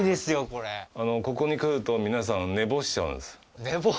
これここに来ると皆さん寝坊しちゃうんです寝坊？